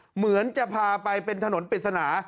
เหมือนจะพาไปเป็นถนนปริศนา